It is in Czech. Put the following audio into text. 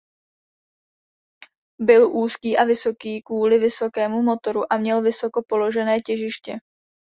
Byl úzký a vysoký kvůli vysokému motoru a měl vysoko položené těžiště.